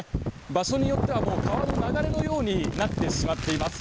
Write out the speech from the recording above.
場所によっては川の流れのようになってしまっています。